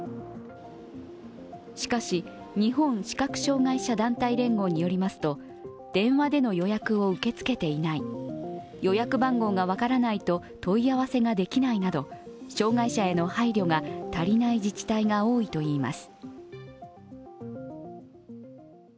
しかし、日本視覚障害者団体連合によりますと電話での予約を受け付けていない予約番号が分からないと問い合わせができないなど障害者への配慮が足りない自治体が多いといいます。